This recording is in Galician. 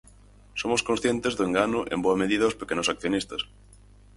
Somos conscientes do engano en boa medida aos pequenos accionistas.